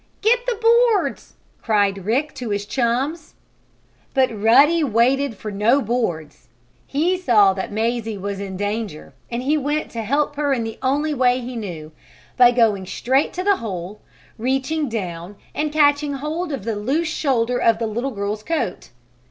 "Get the boards!" cried Rick to his chums. But Ruddy waited for no boards. He saw that Mazie was in danger and he went to help her in the only way he knew by going straight to the hole, reaching down and catching hold of the loose shoulder of the little girl's coat.